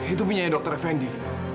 itu punya dokter effendi